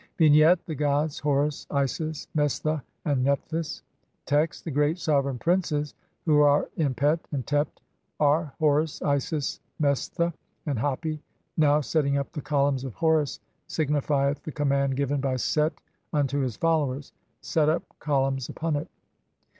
D. Vignette : The gods Horus, Isis, Mestha, and Nephthys. Text : (1) The great sovereign princes who are in Pet and Tept are Horus, Isis, Mestha, and Hapi. Now "setting up the columns of (2) Horus" signifieth the command given by Set unto his followers : "Set up columns upon it."